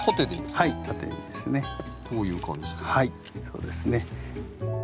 そうですね。